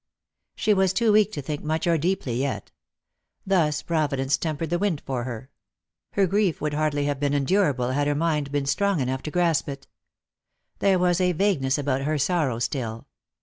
She was too weak to think much or deeply yet. Thus Pro vidence tempered the wind for her. Her grief would hardly have been endurable had her mind been strong enough to grasp it. There was a vagueness about her sorrow still.